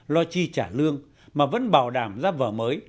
lo chi trả lương mà vẫn bảo đảm ra vở mới